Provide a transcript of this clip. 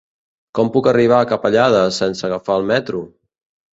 Com puc arribar a Capellades sense agafar el metro?